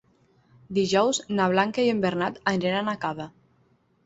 Dijous na Blanca i en Bernat aniran a Cava.